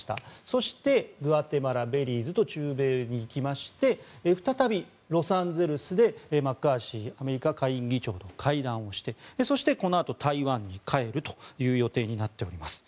そしてグアテマラ、ベリーズと中米に行きまして再びロサンゼルスでマッカーシーアメリカ下院議長と会談をしてそして、このあと台湾に帰る予定になっております。